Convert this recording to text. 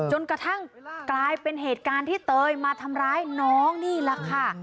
จนกระทั่งกลายเป็นเหตุการณ์ที่เตยมาทำร้ายน้องนี่แหละค่ะ